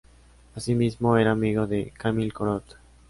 Asimismo, era amigo de Camille Corot.